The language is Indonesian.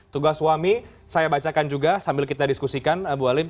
tugas suami saya bacakan juga sambil kita diskusikan bu halim